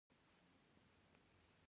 غلا د بشر یوه لاسته راوړنه ده